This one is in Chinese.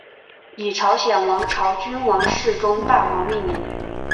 以朝鲜王朝君王世宗大王命名。